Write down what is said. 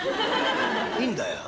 いいんだよ」。